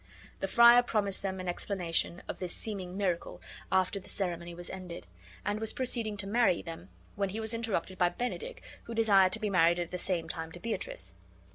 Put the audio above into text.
The friar promised them an explanation of this seeming miracle, after the ceremony was ended, and was proceeding to marry them when he was interrupted by Benedick, who desired to be married at the same time to Beatrice.